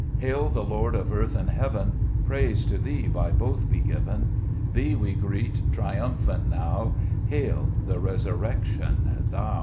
5 Hail the Lord of earth and heaven ! Praise to Thee by both be given : Thee we greet triumphant now : Hail, the Resurrection Thou